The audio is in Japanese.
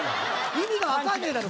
意味が分かんねえだろ